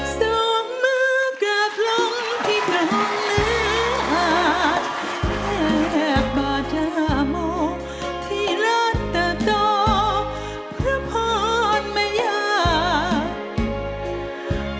ส่งมือกับหลงที่ตรงนี้อาจแคบบาดจะหาโหมที่รักแต่ต่อเพื่อพอดมายาก